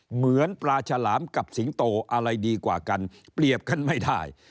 เหมือนปลาฉลามกับสิงโตอะไรดีกว่ากันเปรียบกันไม่ได้